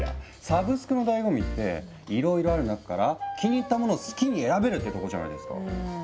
サブスクのだいご味っていろいろある中から気に入ったものを好きに選べるってとこじゃないですか。